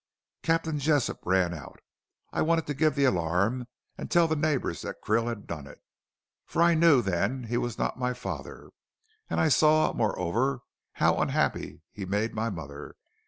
Captain Jessop ran out. I wanted to give the alarm, and tell the neighbors that Krill had done it for I knew then he was not my father, and I saw, moreover, how unhappy he made my mother.